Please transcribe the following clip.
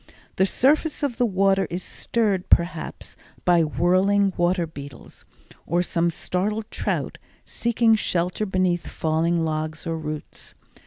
The surface of the water is stirred, perhaps, by whirling water beetles, or some startled trout, seeking shelter beneath fallen logs or roots.